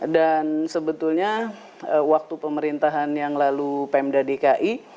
dan sebetulnya waktu pemerintahan yang lalu pemda dki